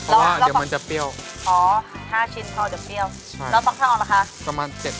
เพราะว่าเดี๋ยวมันจะเปรี้ยวอ๋อ๕ชิ้นพอจะเปรี้ยวแล้วฟังข้างออกเหรอคะ